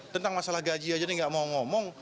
tentang masalah gaji aja ini nggak mau ngomong